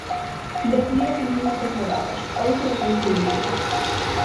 Dez ligas en quince temporadas, oito das once últimas.